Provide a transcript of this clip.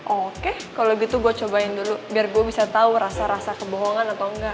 oke kalau gitu gue cobain dulu biar gue bisa tau rasa rasa kebohongan atau enggak